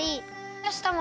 よし！